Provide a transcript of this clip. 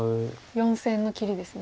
４線の切りですね。